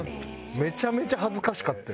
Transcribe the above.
めちゃめちゃ恥ずかしかったよ。